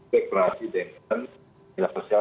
deklarasi deklanasi bina sosial